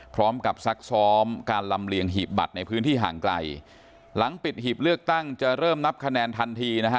ซักซ้อมการลำเลียงหีบบัตรในพื้นที่ห่างไกลหลังปิดหีบเลือกตั้งจะเริ่มนับคะแนนทันทีนะฮะ